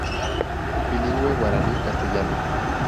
Bilingüe guaraní-castellano.